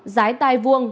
giái tai vuông